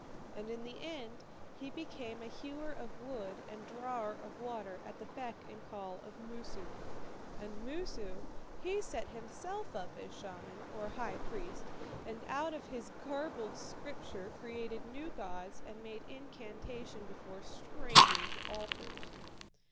And in the end he became a hewer of wood and drawer of water at the beck and call of Moosu. And Moosu he set himself up as shaman, or high priest, and out of his garbled Scripture created new gods and made incantation before strange altars.